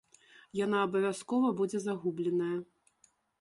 Яна абавязкова будзе загубленая.